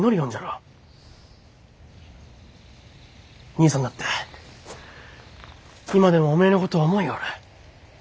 兄さんだって今でもおめえのことを思ようる。